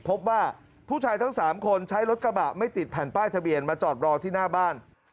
พบว่าผู้ชายทั้ง๓คนใช้รถกระบะไม่ติดแผ่นป้ายทะเบียนมาจอดรอที่หน้าบ้าน